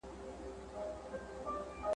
په ادا،